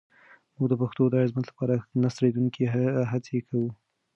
موږ د پښتو د عظمت لپاره نه ستړې کېدونکې هڅې کوو.